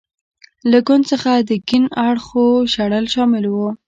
له ګوند څخه د کیڼ اړخو شړل شامل و.